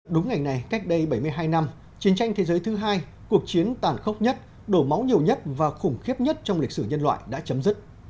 đúng ngày này cách đây bảy mươi hai năm chiến tranh thế giới thứ hai cuộc chiến tàn khốc nhất đổ máu nhiều nhất và khủng khiếp nhất trong lịch sử nhân loại đã chấm dứt